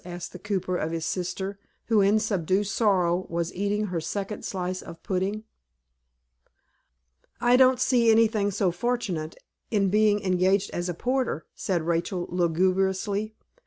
asked the cooper of his sister, who, in subdued sorrow, was eating her second slice of pudding. "I don't see anything so very fortunate in being engaged as a porter," said Rachel, lugubriously.